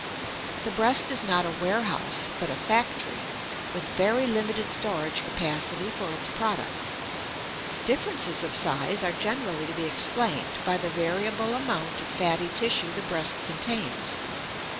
The breast is not a warehouse, but a factory, with very limited storage capacity for its product. Differences of size are generally to be explained by the variable amount of fatty tissue the breast contains.